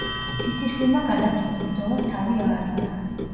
ციციშვილმა გადამწყვეტ ბრძოლას თავი აარიდა.